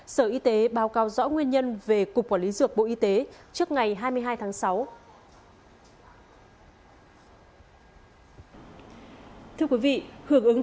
sở y tế báo cáo rõ nguyên nhân về cục quản lý dược bộ y tế trước ngày hai mươi hai tháng sáu